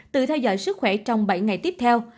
tự theo dõi sức khỏe trong bảy ngày tiếp theo